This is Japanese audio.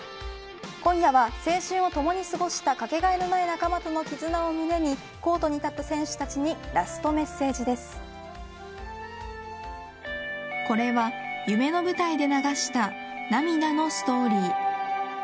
今夜は青春をともに過ごしたかけがえのない仲間との絆を胸にコートに立った選手たちにこれは夢の舞台で流した涙のストーリー。